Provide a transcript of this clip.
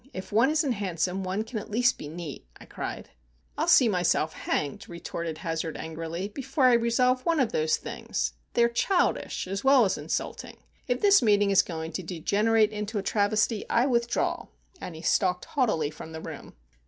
If one isn't handsome, one can at least be neat," I cried. "I'll see myself hanged," retorted Hazard, angrily, "before I resolve one of those things! They are childish, as well as insulting. If this meeting is going to degenerate into a travesty, I withdraw." And he stalked haughtily from the room.